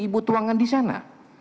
ibu tuangkan disana